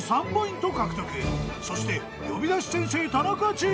［そして呼び出し先生タナカチームは］